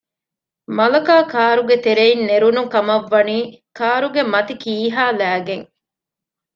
މަލަކާ ކާރުގެތެރެއިން ނެރުނު ކަމަށްވަނީ ކާރުގެ މަތި ކީހާލައިގެން